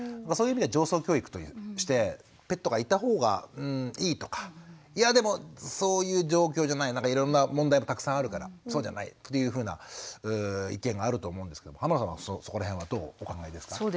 そういう意味で情操教育としてペットがいたほうがいいとかいやでもそういう状況じゃないなんかいろんな問題もたくさんあるからそうじゃないっていうふうな意見があると思うんですけど濱野さんはそこらへんはどうお考えですか？